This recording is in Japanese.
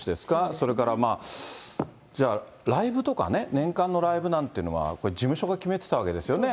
それからじゃあ、ライブとかね、年間のライブなんていうのは事務所が決めてたわけですよね。